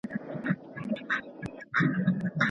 ماشومان هم رواني ستونزي لرلای سي؟